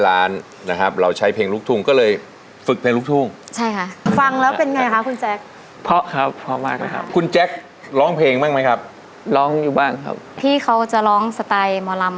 คุณแจ็คเนียมร้องเพลงเป็นไง